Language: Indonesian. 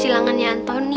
kadi lo benar benar cortana